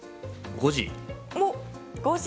５時。